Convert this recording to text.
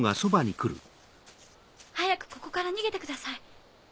早くここから逃げてください。